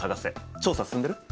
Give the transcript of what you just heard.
調査進んでる？